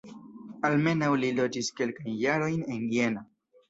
Almenaŭ li loĝis kelkajn jarojn en Jena.